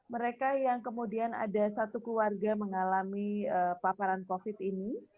mereka yang kemudian ada satu keluarga mengalami paparan covid ini